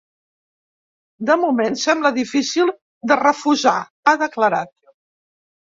De moment, sembla difícil de refusar, ha declarat.